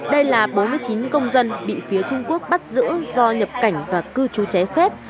đây là bốn mươi chín công dân bị phía trung quốc bắt giữ do nhập cảnh và cư trú trái phép